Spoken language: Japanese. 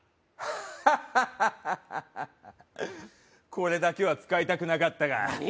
ハッハハハハこれだけは使いたくなかったが何？